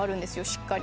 しっかり。